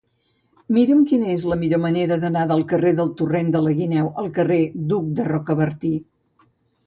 Mira'm quina és la millor manera d'anar del carrer del Torrent de la Guineu al carrer d'Hug de Rocabertí.